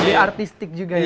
lebih artistik juga ya bu ya